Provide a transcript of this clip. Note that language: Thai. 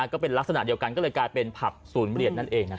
ก็เป็นลักษณะเดียวกันก็เลยกลายเป็นผับศูนย์เหรียญนั่นเอง